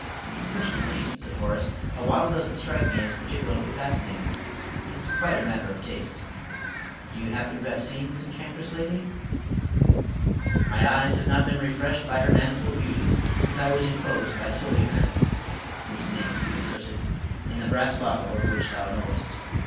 "Personally," said Horace, "a waddle doesn't strike me as particularly fascinating it's quite a matter of taste. Do you happen to have seen this enchantress lately?" "My eyes have not been refreshed by her manifold beauties since I was enclosed by Suleyman whose name be accursed in the brass bottle of which thou knowest.